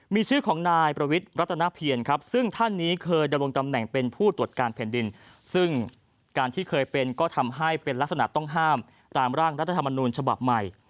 มีชื่อของนายประวิทย์รัฐนาเพียรครับซึ่งท่านนี้เคยดำรงตำแหน่งเป็นผู้ตรวจการแผ่นดินซึ่งการที่เคยเป็นก็ทำให้เป็นลักษณะต้องห้ามตามร่างรัฐธรรมนูญฉบับใหม่